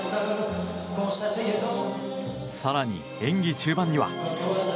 更に演技中盤には。